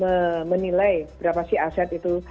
badan nanti yang menilai berapa sih aset itu